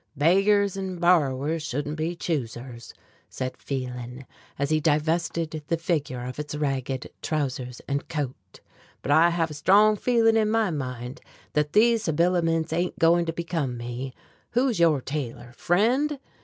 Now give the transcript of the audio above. "Beggars and borrowers shouldn't be choosers," said Phelan, as he divested the figure of its ragged trousers and coat, "but I have a strong feeling in my mind that these habiliments ain't going to become me. Who's your tailor, friend?"